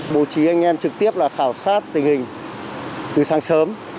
bố trí anh em trực tiếp là khảo sát tình hình từ sáng sớm